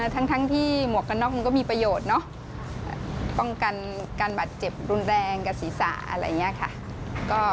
ทั้งที่หมวกกันน็อกมันก็มีประโยชน์เนอะป้องกันการบาดเจ็บรุนแรงกับศีรษะอะไรอย่างนี้ค่ะ